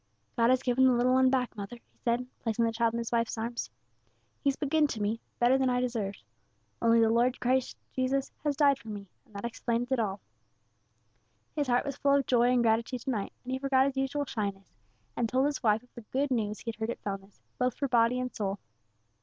"God has given us the little 'un back, mother," he said, placing the child in his wife's arms. "He's been good to me, better than I deserved, only the Lord Jesus Christ has died for me, and that explains it all." His heart was full of joy and gratitude to night, and he forgot his usual shyness, and told his wife of the good news he had heard at Fellness, both for body and soul.